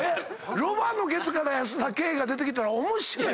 ロバのケツから保田圭が出てきたら面白いやん。